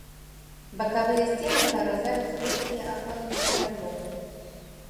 Бакавыя сцены праразаюць вузкія аконныя праёмы.